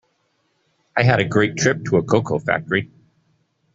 I had a great trip to a cocoa factory.